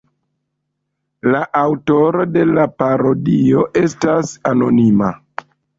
La aŭtoro de la parodio estas anonima.